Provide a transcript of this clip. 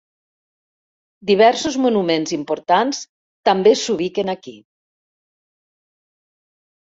Diversos monuments importants també s'ubiquen aquí.